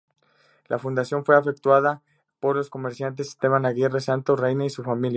La fundación fue efectuada por los comerciantes Esteban Aguirre, Santos Reina y su familia.